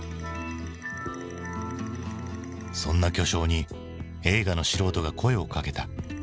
そんな巨匠に映画の素人が声をかけた。